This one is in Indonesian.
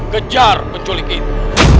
kejar penculik itu